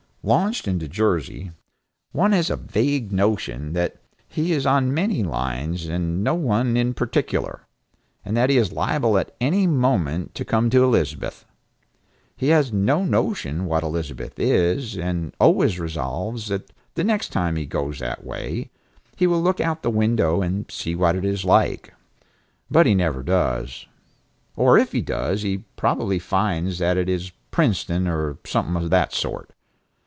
Launched into Jersey, one has a vague notion that he is on many lines and no one in particular, and that he is liable at any moment to come to Elizabeth. He has no notion what Elizabeth is, and always resolves that the next time he goes that way, he will look out of the window and see what it is like; but he never does. Or if he does, he probably finds that it is Princeton or something of that sort.